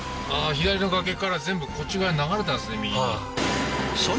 左の崖から全部こっち側に流れたんですね